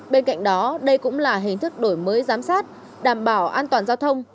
bên cạnh đó đây cũng là hình thức đổi mới giám sát đảm bảo an toàn giao thông